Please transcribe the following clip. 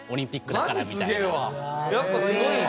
やっぱすごいわ。